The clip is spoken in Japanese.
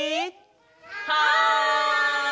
はい！